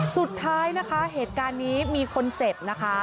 สุดท้ายนะคะเหตุการณ์นี้มีคนเจ็บนะคะ